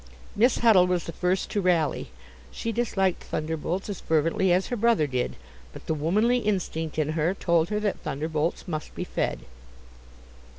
Miss Huddle was the first to rally; she disliked thunderbolts as fervently as her brother did, but the womanly instinct in her told her that thunderbolts must be fed.